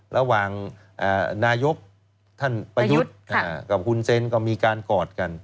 ระหว่างนายกท่านประยุทธ์กับคุณเซนก็มีการกอดกัน